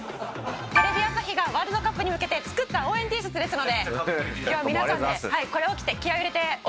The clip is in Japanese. テレビ朝日がワールドカップに向けて作った応援Ｔシャツですので今日は皆さんでこれを着て気合を入れてお届けしていきましょう。